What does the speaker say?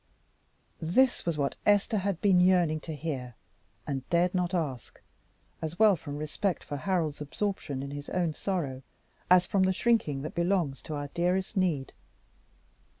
This was what Esther had been yearning to hear and dared not ask, as well from respect for Harold's absorption in his own sorrow, as from the shrinking that belongs to our dearest need.